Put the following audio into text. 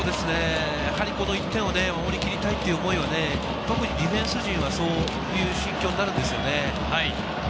この１点を守りきりたいという思いはね、特にディフェンス陣はそういう心境になるんですよね。